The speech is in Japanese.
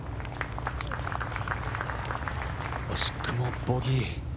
惜しくもボギー。